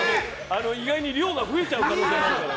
意外に量が増えちゃう可能性あるから。